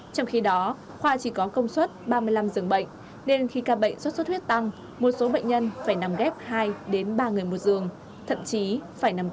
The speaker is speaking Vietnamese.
trong khi đó khoa chỉ có công suất ba mươi năm giường bệnh nên khi ca bệnh sốt xuất huyết tăng một số bệnh nhân phải nằm ghép hai ba người một giường thậm chí phải nằm viện